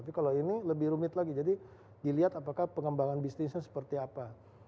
tapi kalau ini lebih rumit lagi jadi dilihat apakah pengembangan bisnisnya seperti apa